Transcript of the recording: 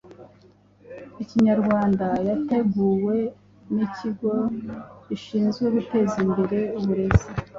Ikinyarwanda yateguwe n’Ikigo Gishinzwe Guteza Imbere Uburezi